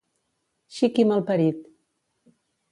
Xic i malparit.